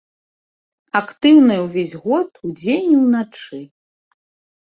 Актыўная ўвесь год, удзень і ўначы.